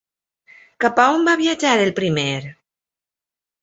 Cap a on va viatjar el primer?